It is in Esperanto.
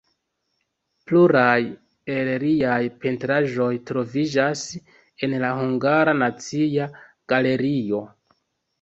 Pluraj el liaj pentraĵoj troviĝas en la Hungara Nacia Galerio.